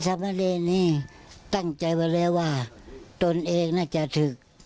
สมเรนนี่ตั้งใจว่าว่าตนเองน่าจะถึก